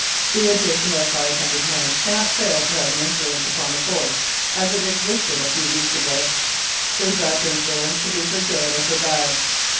The addition of 500 men cannot fail to have an influence upon the Force as it existed a few weeks ago. Is that influence to be for good or for bad